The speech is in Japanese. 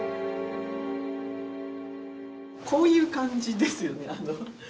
こういう感じですよね。